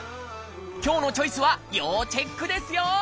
今日の「チョイス」は要チェックですよ！